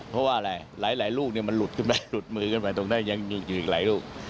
เพราะว่าอะไรหลายลูกมันหลุดมือยขึ้นไปตรงนั้นตรงนี้ก็มีอีกหลายลูก